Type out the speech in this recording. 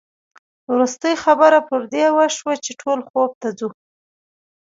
وروستۍ خبره پر دې وشوه چې ټول خوب ته ځو.